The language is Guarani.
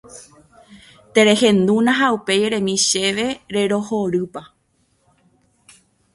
Terehendúna ha upéi eremi chéve rerohorýpa.